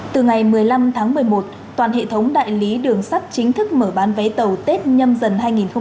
từ ngày một mươi năm tháng một mươi một toàn hệ thống đại lý đường sắt chính thức mở bán vé tàu tết nhâm dần hai nghìn hai mươi bốn